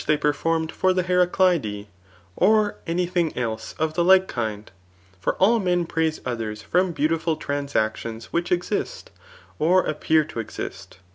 diey peffarmed for the Heradkbe, or asy thiqg dte of the like kmd i For all men prase others bom beaudfol transactioiis which exist, or appear to exist.